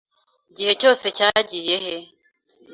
Igihe cyose cyagiye he?